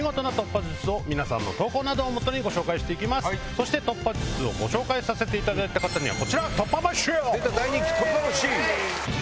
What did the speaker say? そして突破術をご紹介させていただいた方には。